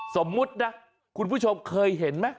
สมมุตินะคุณผู้ชมเคยเห็นไหม